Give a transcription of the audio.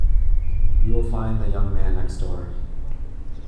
You will find the young man next door.